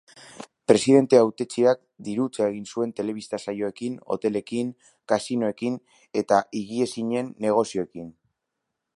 Presidente hautetsiak dirutza egin zuen telebista-saioekin, hotelekin, kasinoekin eta higiezinen negozioekin.